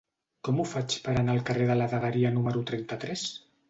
Com ho faig per anar al carrer de la Dagueria número trenta-tres?